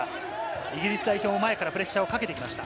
イギリス代表も前からプレッシャーをかけてきました。